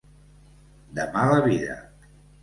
De mala vida.